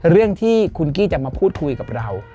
เรื่องที่คุณกี้จะมาพูดคุยกับเรา